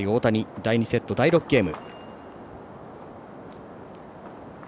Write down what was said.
第２セット、第６ゲーム。